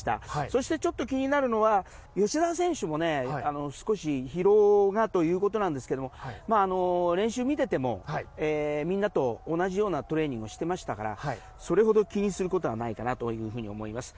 そしてちょっと気になるのは吉田選手も少し疲労がということなんですが練習を見ていてもみんなと同じようなトレーニングをしていましたからそれほど気にすることはないかなと思います。